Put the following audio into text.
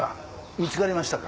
見つかりましたか？